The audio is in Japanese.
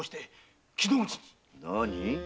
何？